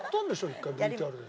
一回ＶＴＲで。